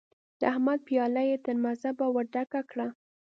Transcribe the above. د احمد پياله يې تر مذبه ور ډکه کړه.